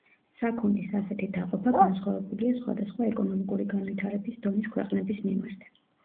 საქონლის ასეთი დაყოფა განსხვავებულია სხვადასხვა ეკონომიკური განვითარების დონის ქვეყნების მიმართ.